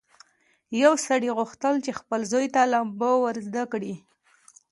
یو سړي غوښتل چې خپل زوی ته لامبو ور زده کړي.